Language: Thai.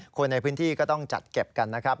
คนในพื้นที่ก็ต้องจัดเก็บกันนะครับ